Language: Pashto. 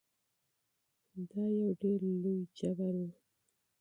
دا یو ډیر لوی ظلم و.